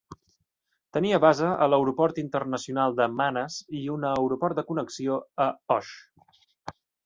Tenia base a l'aeroport internacional de Manas i un aeroport de connexió a Osh.